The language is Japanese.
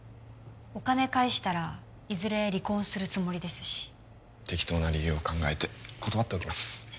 お金返したらいずれ離婚するつもりですし適当な理由を考えて断っておきます